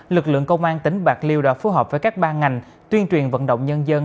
lực lượng công an tỉnh bạc liêu đã phối hợp với các ban ngành tuyên truyền vận động nhân dân